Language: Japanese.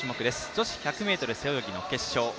女子１００ｍ背泳ぎの決勝。